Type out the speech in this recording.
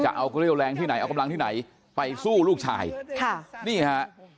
จะเอาเรี่ยวแรงที่ไหนเอากำลังที่ไหนไปสู้ลูกชายค่ะนี่ฮะ